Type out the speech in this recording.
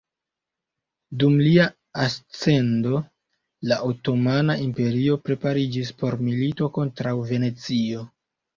Dum lia ascendo, la Otomana Imperio prepariĝis por milito kontraŭ Venecio.